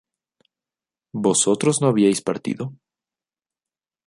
vosotros no habríais partido